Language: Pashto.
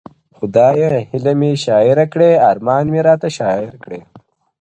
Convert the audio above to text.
• خدایه هیله مي شاعره کړې ارمان راته شاعر کړې..